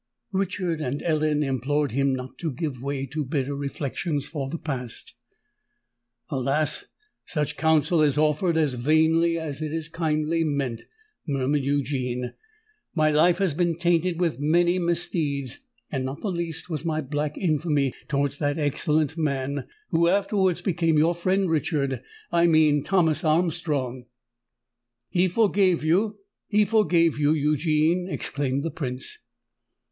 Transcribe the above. Richard and Ellen implored him not to give way to bitter reflections for the past. "Alas! such counsel is offered as vainly as it is kindly meant!" murmured Eugene. "My life has been tainted with many misdeeds—and not the least was my black infamy towards that excellent man, who afterwards became your friend, Richard—I mean Thomas Armstrong!" "He forgave you—he forgave you, Eugene!" exclaimed the Prince.